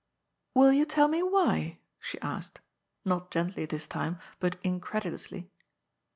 ^ "Will you tell me why?" she asked — not gently this time, but incredalously.